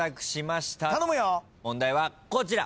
問題はこちら。